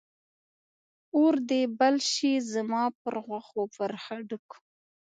اور دې بل شي زما پر غوښو، پر هډوکو